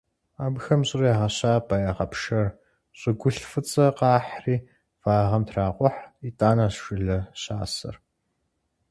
Абыхэм щӀыр ягъэщабэ, ягъэпшэр, щӀыгулъ фӀыцӀэ къахьри вагъэм тракъухь, итӀанэщ жылэ щасэр.